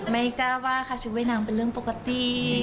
ไม่กล้าว่าชุดว่ายน้ำเป็นเรื่องปกติ